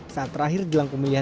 saat terakhir jelang pemilihan